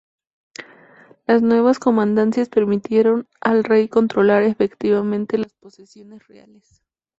Las nuevas comandancias permitieron al rey controlar efectivamente las posesiones reales.